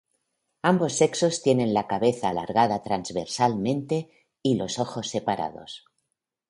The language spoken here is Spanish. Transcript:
Ambos sexos tienen la cabeza alargada transversalmente y los ojos separados.